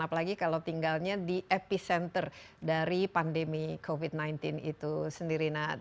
apalagi kalau tinggalnya di epicenter dari pandemi covid sembilan belas itu sendiri